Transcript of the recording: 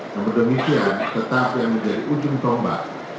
namun demikian tetap yang menjadi ujung tombak